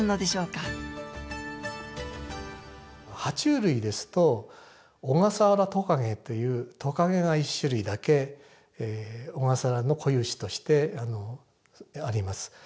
は虫類ですとオガサワラトカゲというトカゲが１種類だけ小笠原の固有種としてあります。